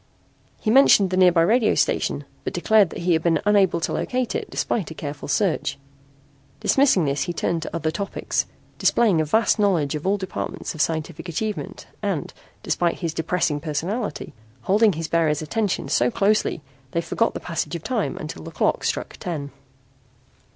He mentioned the nearby radio station but declared that he had been unable to locate it despite a careful search. Dismissing this he turned to other topics, displaying a vast knowledge of all departments of scientific achievement and, despite his depressing personality, holding his bearer's attention so closely they forgot the passage of time until the clock struck ten.